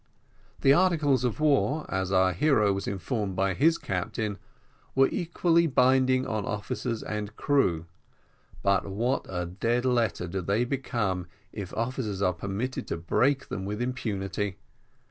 The articles of war, as our hero was informed by his captain, were equally binding on officers and crew; but what a dead letter do they become if officers are permitted to break them with impunity!